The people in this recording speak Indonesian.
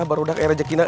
baru udah kayak rejekinan